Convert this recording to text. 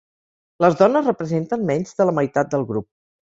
Les dones representen menys de la meitat del grup.